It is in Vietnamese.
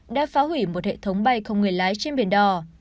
đã phá hủy một hệ thống bay không người lái trên biển đỏ